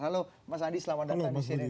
halo mas andi selamat datang di cnn indonesia